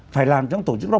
phải làm cho tổ chức đó